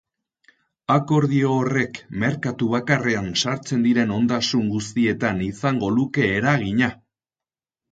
Akordio horrek merkatu bakarrean sartzen diren ondasun guztietan izango luke eragina.